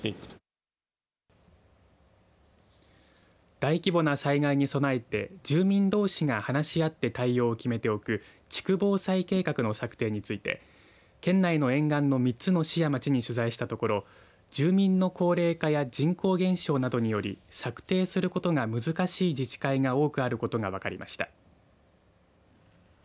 大規模な災害に備えて住民どうしが話し合って対応を決めておく地区防災計画の策定について県内の沿岸の３つの市や町に取材したところ住民の高齢化や人口減少などにより策定することが難しい自治会が多くあることが分かりました。